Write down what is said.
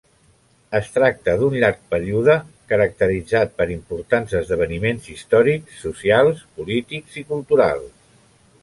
Es tracta d'un llarg període caracteritzat per importants esdeveniments històrics, socials, polítics i culturals.